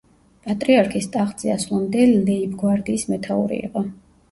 პატრიარქის ტახტზე ასვლამდე ლეიბგვარდიის მეთაური იყო.